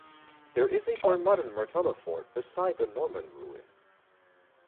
There is a more modern Martello Fort beside the Norman ruin.